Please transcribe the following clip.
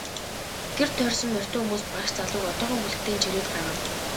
Гэр тойрсон морьтой хүмүүс багш залууг одоохон хүлэгтэй нь чирээд гаргана.